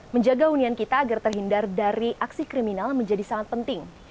menjaga hunian kita agar terhindar dari aksi kriminal menjadi sangat penting